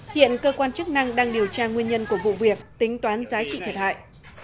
hiện cơ quan chức năng đang điều tra nguyên nhân của vụ việc tính toán giá trị thiệt hại